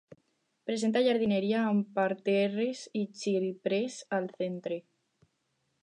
Presenta jardineria amb parterres i xiprers al centre.